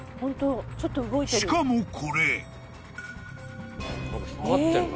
［しかもこれ］